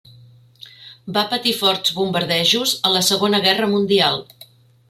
Va patir forts bombardejos a la segona guerra mundial.